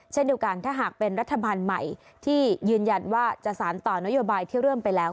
เช่นเดียวกันถ้าหากเป็นรัฐบาลใหม่ที่ยืนยันว่าจะสารต่อนโยบายที่เริ่มไปแล้ว